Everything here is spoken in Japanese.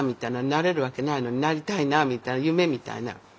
なれるわけないのになりたいなみたいな夢みたいな。